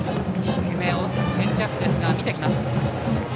低め、チェンジアップ見てきます。